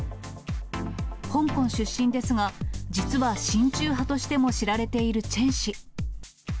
香港出身ですが、実は親中派としても知られているチェン氏。